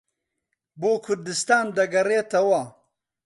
بۆ کوردستان دەگەڕێتەوە